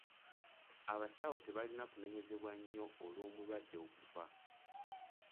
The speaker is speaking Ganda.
Abasawo tebalina kunenyezebwa nnyo olw'omulwadde okufa.